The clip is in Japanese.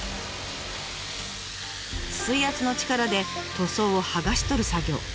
水圧の力で塗装を剥がし取る作業。